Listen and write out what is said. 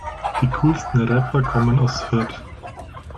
Die coolsten Rapper kommen aus Hürth.